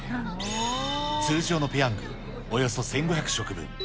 通常のペヤングおよそ１５００食分。